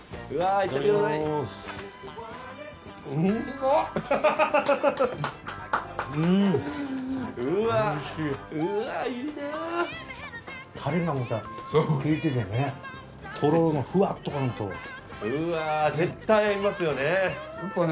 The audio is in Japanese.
うわぁ絶対合いますよね。